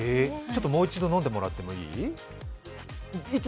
もう一度飲んでもらってもいい？